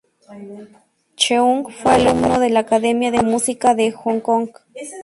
Cheung fue alumno de La Academia de Música de Hong Kong.